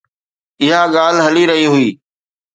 اها ڳالهه هلي رهي هئي.